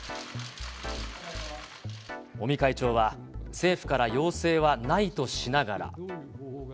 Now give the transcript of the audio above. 尾身会長は、政府から要請はないとしながら。